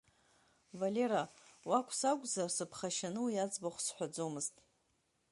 Валера, уақә сакәзар, сыԥхашьаны уи аӡбахә сҳәаӡомызт.